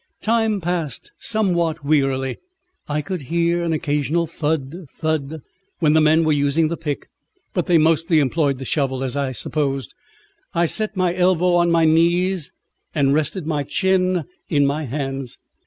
Time passed somewhat wearily. I could hear an occasional thud, thud, when the men were using the pick; but they mostly employed the shovel, as I supposed. I set my elbows on my knees and rested my chin in my hands.